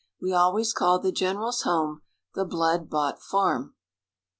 We always called the general's home "The blood bought farm."